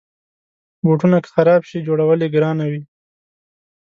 بوټونه که خراب شي، جوړول یې ګرانه وي.